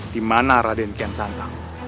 dimana raden kian santang